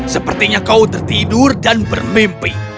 sepertinya kau tertidur dan bermimpi